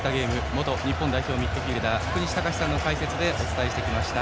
元日本代表ミッドフィールダー福西崇史さんの解説でお伝えしてきました。